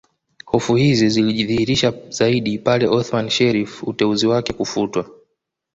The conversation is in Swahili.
Hofu hizi zilijidhihirisha zaidi pale Othman Sharrif uteuzi wake kufutwa